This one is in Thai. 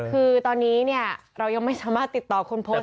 คือตอนนี้เรายังไม่สามารถติดต่อคนโพสต์